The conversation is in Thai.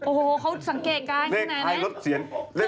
โอ้โฮเขาสังเกตกายขนาดไหนนะ